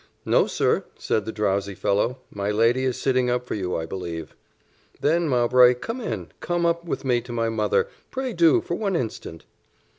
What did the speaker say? "No, sir," said the drowsy fellow, "my lady is sitting up for you, I believe." "Then, Mowbray, come in come up with me to my mother, pray do, for one instant."